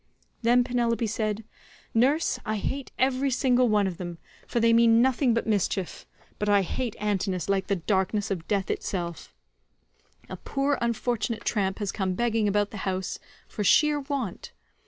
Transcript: Then Penelope said, "Nurse,147 I hate every single one of them, for they mean nothing but mischief, but I hate Antinous like the darkness of death itself. A poor unfortunate tramp has come begging about the house for sheer want.